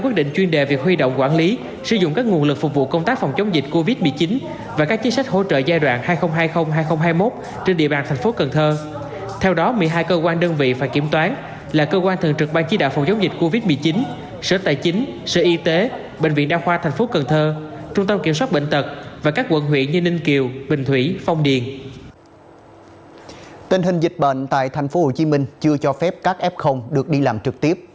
tình hình dịch bệnh tại tp hcm chưa cho phép các f được đi làm trực tiếp